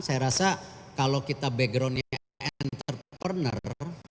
saya rasa kalau kita backgroundnya entrepreneur